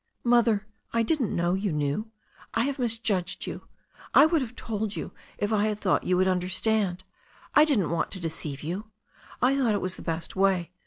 "Mother, I didn't know you knew. I have misjudged you. I would have told you if I had thought you would un derstand — ^I didn't want to deceive you. I thought it was the best way.